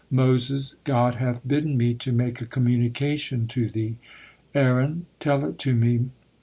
Moses: "God hath bidden me to make a communication to thee." Aaron: "Tell it to me."